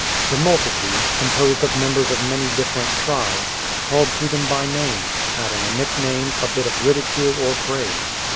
The multitude, composed of members of many different tribes, called to them by name, adding a nickname, a bit of ridicule or praise.